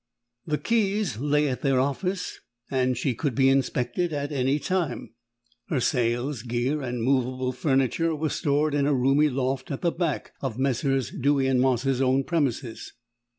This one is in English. The keys lay at their office, and she could be inspected at any time. Her sails, gear, and movable furniture were stored in a roomy loft at the back of Messrs, Dewy and Moss's own premises.